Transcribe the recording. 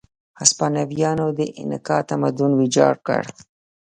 هسپانویانو د اینکا تمدن ویجاړ کړ.